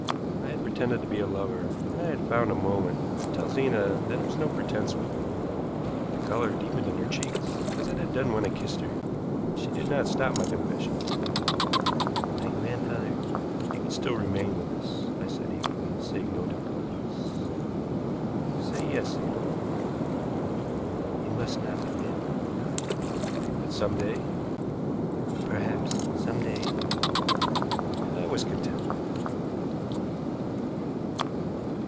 I had pretended to be a lover, and I had found a moment to tell Zena that it was no pretense with me. The color deepened in her cheeks as it had done when I kissed her, but she did not stop my confession. "My grandfather " "He can still remain with us," I said eagerly, seeing no difficulties. "Say yes, Zena." "It must not be yet." "But some day?" "Perhaps some day." And I was content.